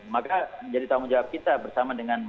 maka menjadi tanggung jawab kita bersama dengan